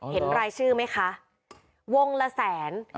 เห็นรายชื่อไหมคะวงละแสน